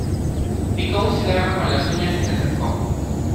picó un cigarro con las uñas, y se acercó: